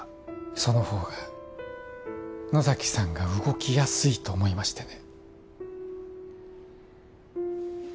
その方が野崎さんが動きやすいと思いましてね